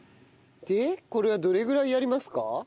でこれはどれぐらいやりますか？